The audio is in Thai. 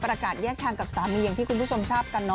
พอแล้วพอแล้วพอแล้ว